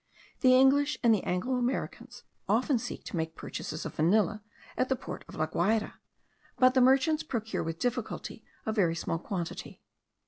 The English and the Anglo Americans often seek to make purchases of vanilla at the port of La Guayra, but the merchants procure with difficulty a very small quantity.